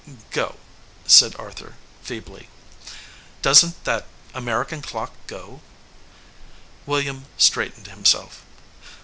"Go," said Arthur feebly. "Doesn t that American clock go ?" William straightened himself.